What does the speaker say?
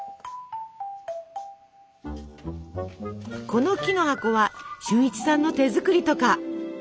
この木の箱は俊一さんの手作りとか。